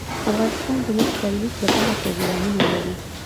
افغانستان د مس د ترویج لپاره پروګرامونه لري.